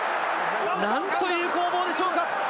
何という攻防でしょうか。